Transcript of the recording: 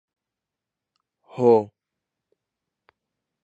افکس د لاتیني ژبي اصطلاح ده.